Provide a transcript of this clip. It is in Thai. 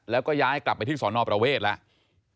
แล้วก็ย้ายกลับไปที่สอนอประเวทแล้ว